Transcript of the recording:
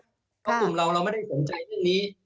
เพราะกลุ่มเราเราไม่ได้สนใจเรื่องนี้